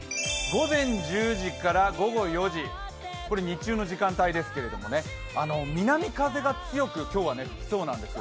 午前１０時から午後４時、これ日中の時間帯ですけれども南風が強く今日は吹きそうなんです。